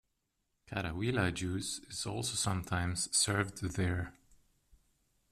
Karawila juice is also sometimes served there.